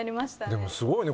でもすごいね。